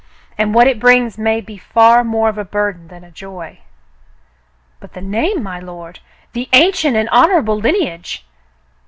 "And what it brings may be far more of a burden than a joy." "But the name, my lord, — the ancient and honor able lineage